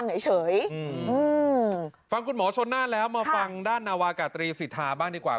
เฉยอืมฟังคุณหมอชนน่านแล้วมาฟังด้านนาวากาตรีสิทธาบ้างดีกว่า